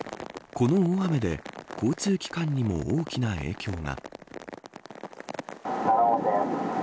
この大雨で交通機関にも大きな影響が。